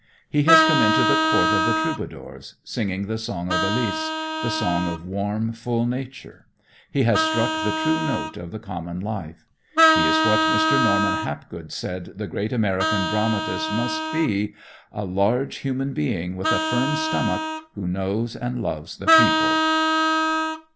He has come into the court of the troubadours singing the song of Elys, the song of warm, full nature. He has struck the true note of the common life. He is what Mr. Norman Hapgood said the great American dramatist must be: "A large human being, with a firm stomach, who knows and loves the people."